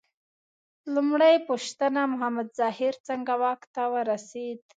لومړۍ پوښتنه: محمد ظاهر څنګه واک ته ورسېد؟